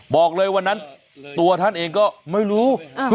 บอกเลยวันนั้นตัวท่านเองก็ไม่รู้